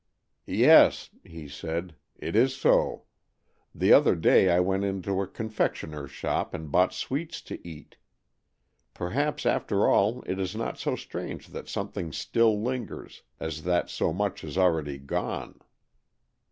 "Yes," he said, "it is so. The other day I went into a confectioner's shop and bought sweets to eat. Perhaps after all it is not so strange that something still lingers, as that so much has already gone."